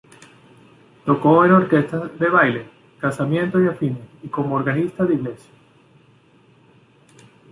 Tocó en orquestas de baile, casamientos y afines, y como organista de iglesia.